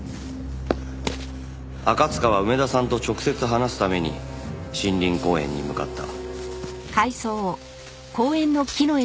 赤塚は梅田さんと直接話すために森林公園に向かった。